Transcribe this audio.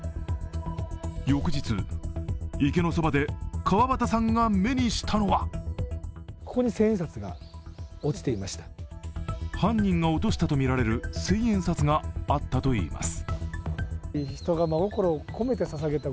翌日、池のそばで川端さんが目にしたのは犯人が落としたとみられる千円札があったといいます。